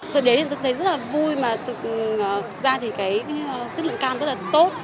tôi đến thì tôi thấy rất là vui mà thực ra thì cái chất lượng cam rất là tốt